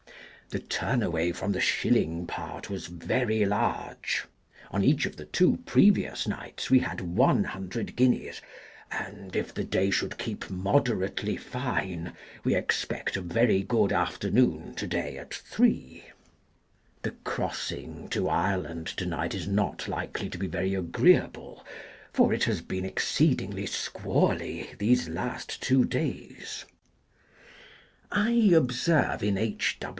The turn away from the shilling part was very large. On each of the two previous nights we had 100 guineas, and (if the day should keep moderately fine) we expect a very good afternoon to day at 3. The crossing to Ireland to night is not likely to be very agreeable, for it has been exceedingly squally these last two days. I observe in H.